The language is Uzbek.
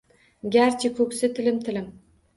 Garchi koʼksi tilim-tilim